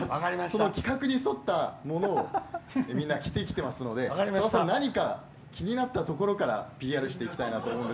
この企画に沿ったものをみんな着てきていますのでさださん、何か気になったところからＰＲしていきたいなと。